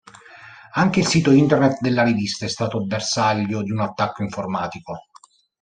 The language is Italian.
Anche il sito internet della rivista è stato bersaglio di un attacco informatico.